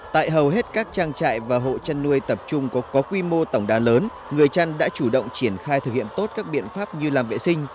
tại hầu hết các trang trại và hộ chăn nuôi tập trung có quy mô tổng đá lớn người chăn đã chủ động triển khai thực hiện tốt các biện pháp như làm vệ sinh